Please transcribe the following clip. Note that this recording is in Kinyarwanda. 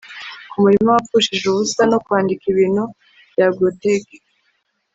ku murima wapfushije ubusa, no kwandika ibintu bya groteque